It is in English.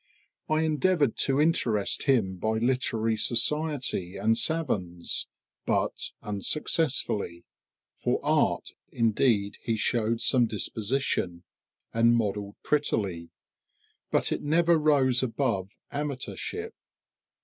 I endeavored to interest him by literary society and savans, but unsuccessfully. For art indeed he showed some disposition, and modelled prettily; but it never rose above "amateurship."